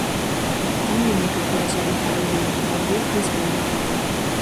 Там ён некалькі разоў ударыў яе па галаве бейсбольнай бітай.